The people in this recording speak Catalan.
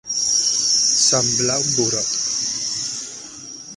Semblar un burot.